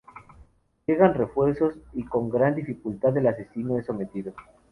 Llegan refuerzos y con gran dificultad el asesino es sometido.